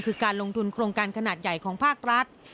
คือการลงทุนโครงการขนาดใหญ่ของภาครัฐ